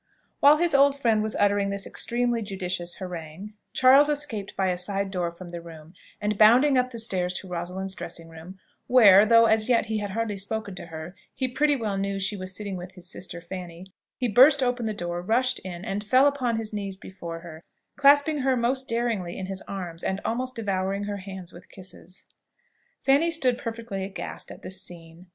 While his old friend was uttering this extremely judicious harangue, Charles escaped by a side door from the room, and bounding up the stairs to Rosalind's dressing room, where (though as yet he had hardly spoken to her) he pretty well knew she was sitting with his sister Fanny, he burst open the door, rushed in, and fell on his knees before her, clasping her most daringly in his arms, and almost devouring her hands with kisses. Fanny stood perfectly aghast at this scene.